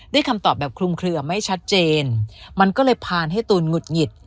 คำตอบแบบคลุมเคลือไม่ชัดเจนมันก็เลยผ่านให้ตูนหงุดหงิด